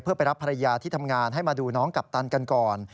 เพื่อไปรับภรรยาที่ทำงานให้มาดูน้องกัปตันกันก่อน